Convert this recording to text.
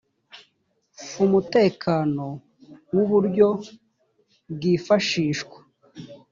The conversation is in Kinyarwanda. f umutekano w uburyo bwifashishwa